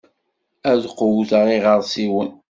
Ad qewwteɣ iɣeṛsiwen.